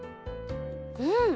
うん！